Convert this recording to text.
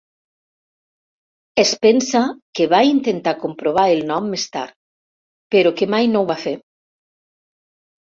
Es pensa que va intentar comprovar el nom més tard, però que mai no ho va fer.